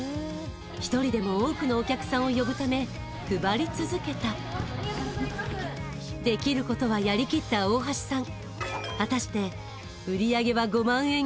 一人でも多くのお客さんを呼ぶため配り続けたできることはやりきった大橋さん